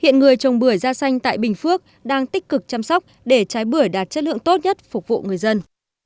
hiện người trồng bưởi da xanh tại bình phước đang tích cực chăm sóc để trái bưởi đạt chất lượng tốt nhất phục vụ người dân